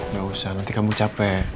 gak usah nanti kamu capek